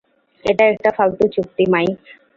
এটা একটা ফালতু চুক্তি, মাইক।